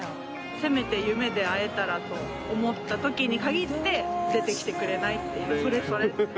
「せめて夢で会えたらと思った時に限って出てきてくれない」っていう。